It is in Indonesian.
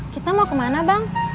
kita mau kemana bang